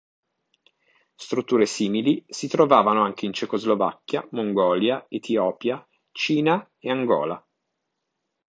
Strutture simili si trovavano anche in Cecoslovacchia, Mongolia, Etiopia, Cina, e Angola.